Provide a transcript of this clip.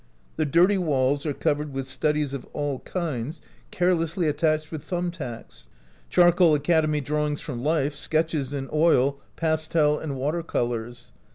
The dirty walls are covered with studies of all kinds, carelessly attached with thumb tacks — charcoal acad emy drawings from life, sketches in oil, pas tel, and water colors.